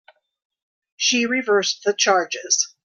She reversed the charges.